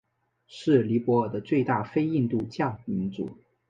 是尼泊尔的最大非印度教民族。